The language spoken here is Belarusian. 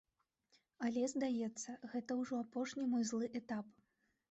Але, здаецца, гэта ўжо апошні мой злы этап.